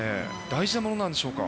大事なものなんでしょうか。